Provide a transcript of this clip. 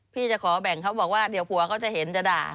พี่จะขอแบ่งเขาบอกว่าเดี๋ยวผัวเขาจะเห็นจะด่า